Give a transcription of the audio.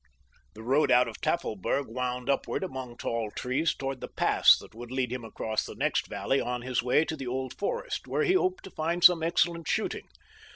The road out of Tafelberg wound upward among tall trees toward the pass that would lead him across the next valley on his way to the Old Forest, where he hoped to find some excellent shooting.